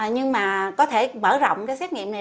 nhưng mà có thể mở rộng cái xét nghiệm này